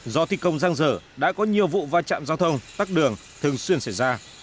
do thi công răng rở đã có nhiều vụ va chạm giao thông tắt đường thường xuyên xảy ra